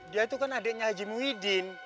dia itu kan adiknya haji muhyiddin